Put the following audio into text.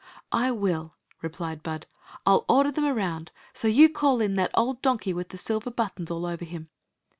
" I will," replied Bud. " I '11 order them around. So you call in that old donkey with the silver buttons all over him."